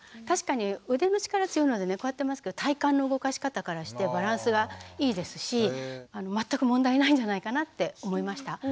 確かに腕の力強いのでねこうやってますけど体幹の動かし方からしてバランスはいいですし全く問題ないんじゃないかなって思いました。